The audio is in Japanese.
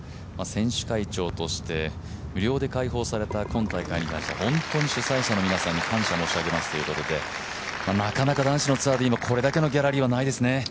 選手会長として無料で開放された今大会に関して、本当に主催者の皆さんに感謝申し上げますということでなかなか男子のツアーで今これだけのギャラリーはないですね。